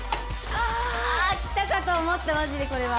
あきたかと思ったマジでこれは。